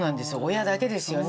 親だけですよね